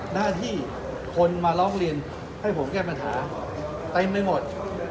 หน้าที่คนมาร้องเรียนให้ผมแก้ปัญหาเต็มไปหมด